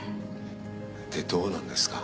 でどうなんですか？